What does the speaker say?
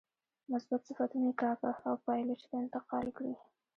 مثبت صفتونه یې کاکه او پایلوچ ته انتقال کړي.